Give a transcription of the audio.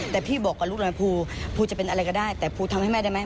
แต่พี่บอกกับลูกหน่อยภูจะเป็นอะไรก็ได้แต่ภูทำให้แม่ได้ไหม